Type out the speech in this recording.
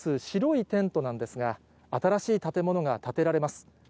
白いテントなんですが、新しい建物が建てられます。